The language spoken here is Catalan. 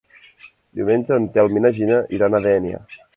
Diumenge en Telm i na Gina iran a Dénia.